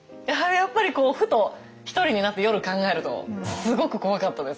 やっぱりこうふと一人になって夜考えるとすごく怖かったです。